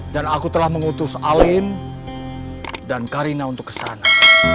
dan aku telah mengutus alim dan karina untuk ke sana